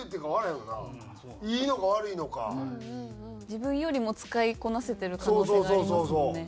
自分よりも使いこなせてる可能性がありますもんね。